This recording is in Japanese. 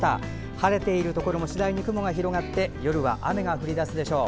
晴れているところも次第に雲が広がって夜は雨が降り出すでしょう。